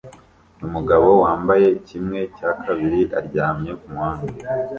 Umugabo wambaye kimwe cya kabiri aryamye kumuhanda